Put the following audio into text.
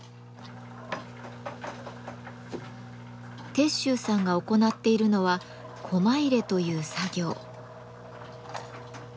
鉄舟さんが行っているのはコマ入れという作業。